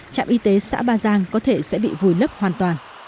trạm y tế xã ba giang có thể sẽ bị vùi lấp hoàn toàn